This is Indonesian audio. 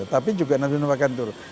tapi juga napsu makan turun